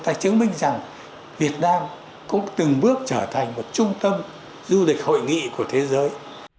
ta chứng minh rằng việt nam cũng từng bước trở thành một trung tâm du lịch hội nghị của thế giới